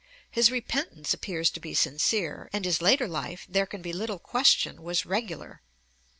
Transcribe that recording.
His repentance appears to be sincere, and his later life, there can be little question, was regular.